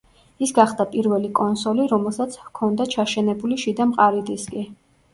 ის გახდა პირველი კონსოლი, რომელსაც ჰქონდა ჩაშენებული შიდა მყარი დისკი.